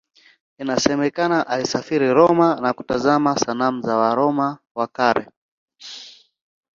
Inasemekana alisafiri Roma na kutazama sanamu za Waroma wa Kale.